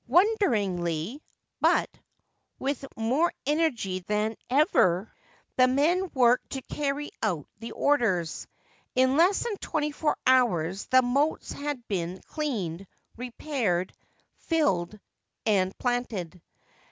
Wonderingly, 269 Ancient Tales and Folklore of Japan but with more energy than ever, the men worked to carry out the orders. In less than twenty four hours the moats had been cleaned, repaired, filled, and planted.